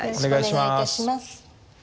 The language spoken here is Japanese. お願いします。